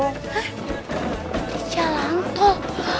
hah di jalan tol